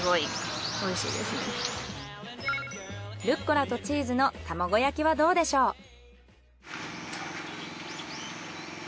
ルッコラとチーズの玉子焼きはどうでしょう？